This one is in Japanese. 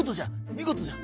みごとじゃ！